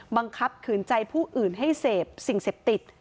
ขืนใจผู้อื่นให้เสพสิ่งเสพติด